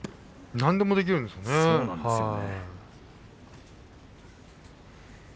何でもできるんですよね。